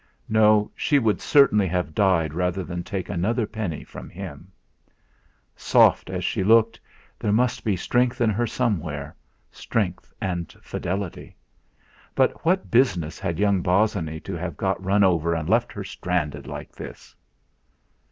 No, she would certainly have died rather than take another penny from him. Soft as she looked, there must be strength in her somewhere strength and fidelity. But what business had young Bosinney to have got run over and left her stranded like this!